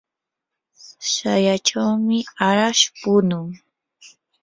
shallachawmi arash punun.